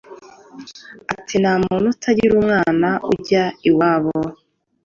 Ati: "Nta muntu utangira umwana ujya iwabo,